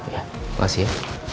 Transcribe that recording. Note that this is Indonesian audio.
ya makasih ya